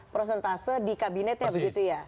prosentase di kabinetnya begitu ya